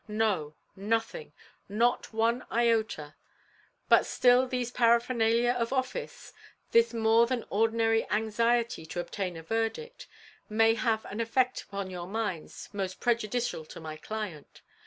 No, nothing; not one iota; but still these paraphernalia of office, this more than ordinary anxiety to obtain a verdict, may have an effect upon your minds most prejudicial to my client.